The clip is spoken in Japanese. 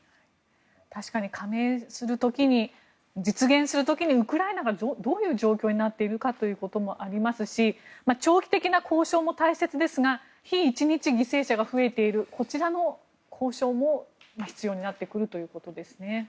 確かに加盟する時に実現する時にウクライナがどういう状況になっているかということもありますし長期的な交渉も大切ですが毎日犠牲者が増えているこちらの交渉も必要になってくるということですね。